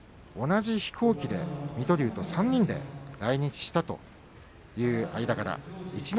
同じ飛行機で水戸龍と３人で来日したという間柄です。